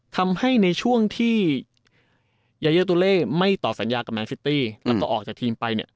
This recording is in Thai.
ทำให้ในช่วงที่ยายาตุเล่ไม่ต่อสัญญากับแมนซิตี้แล้วก็ออกจากทีมไปเนี่ย